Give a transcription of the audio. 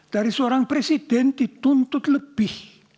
dari seorang presiden dituntut lebih